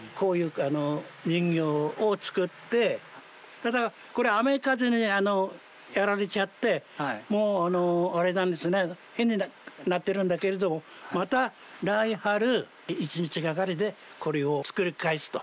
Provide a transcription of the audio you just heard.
ただこれ雨風にやられちゃってもう変になってるんだけれどまた来春一日がかりでこれを作りかえすと。